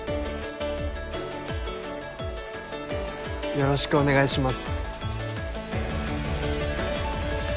よろしくお願いします